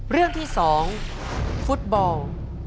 เรื่องที่๒ฟุตบอล